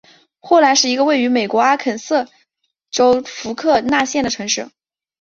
霍兰是一个位于美国阿肯色州福克纳县的城市。